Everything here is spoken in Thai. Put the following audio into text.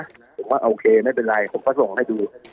ผมว่าโอเคไม่เป็นไรผมก็ส่งให้ดู